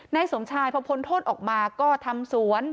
นายสมชายพอพ้นโทษออกมาก็ทำสวน